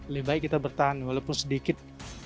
lebih baik kita bertahan walaupun sedikit